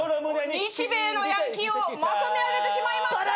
日米のヤンキーをまとめ上げてしまいました！